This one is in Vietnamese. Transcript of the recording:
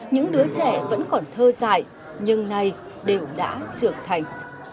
những đứa trẻ vẫn còn thơ dại nhưng nay đều đã trưởng thành